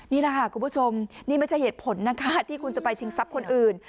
นี่แหละค่ะคุณผู้ชมนี่ไม่ใช่เหตุผลนะคะที่คุณจะไปชิงทรัพย์คนอื่น